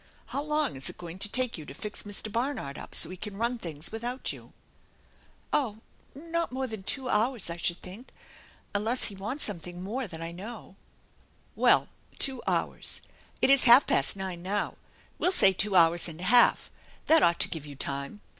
How long is it going to take you to fix Mr. Barnard up so he can run things without you ?"" Oh, not more than two hours I should think, unless Ke wants something more than I know." 294 THE ENCHANTED BARN "Well, two hours. It is half past nine now. We'll say two hours and a 1 alf . That ought to give you time.